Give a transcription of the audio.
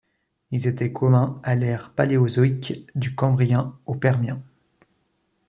Ils étaient communs à l'ère paléozoïque, du Cambrien au Permien.